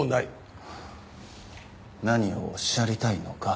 何をおっしゃりたいのか。